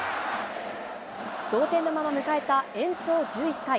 同点のまま迎えた延長１１回。